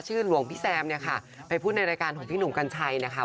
หลวงพี่แซมเนี่ยค่ะไปพูดในรายการของพี่หนุ่มกัญชัยนะคะ